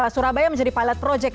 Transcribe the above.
surabaya menjadi pilot project